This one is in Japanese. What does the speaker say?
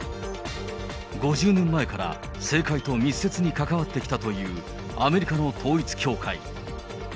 ５０年前から、政界と密接に関わってきたというアメリカの統一教会。